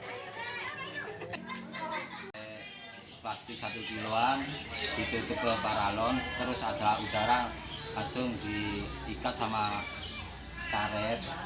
pasti satu jiluan ditutup ke paralon terus ada udara langsung diikat sama karet